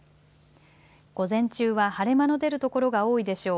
午前中は晴れ間の出る所が多いでしょう。